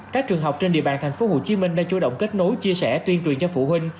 các trường học trên địa bàn tp hcm đã chủ động kết nối chia sẻ tuyên truyền cho phụ huynh